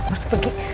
aku harus pergi